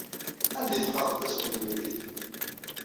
Anda ay teqqareḍ taspenyulit?